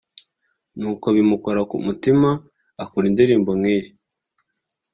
nuko bimukora ku mutima akora indirimbo nk'iyi